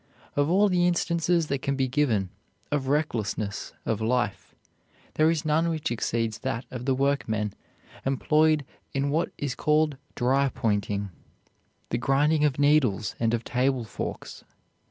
Of all the instances that can be given of recklessness of life, there is none which exceeds that of the workmen employed in what is called dry pointing the grinding of needles and of table forks.